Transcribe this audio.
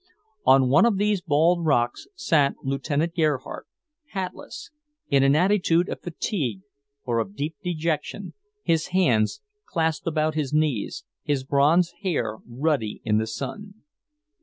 On one of these bald rocks sat Lieutenant Gerhardt, hatless, in an attitude of fatigue or of deep dejection, his hands clasped about his knees, his bronze hair ruddy in the sun.